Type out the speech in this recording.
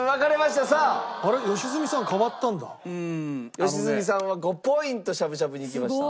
良純さんは５ポイントしゃぶしゃぶにいきました。